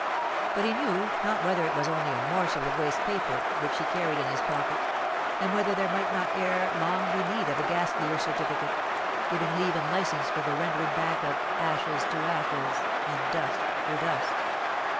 But he knew not whether it was only a morsel of waste paper which he carried in his pocket; and whether there might not ere long be need of a ghastlier certificate, giving leave and licence for the rendering back of "ashes to ashes, and dust to dust."